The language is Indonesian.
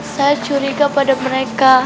saya curiga pada mereka